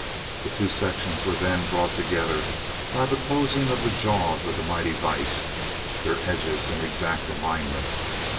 The two sections were then brought together by the closing of the jaws of the mighty vise, their edges in exact alignment.